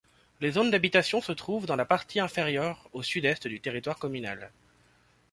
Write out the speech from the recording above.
Les zones d'habitation se trouvent dans la partie inférieure au sud-est du territoire communal.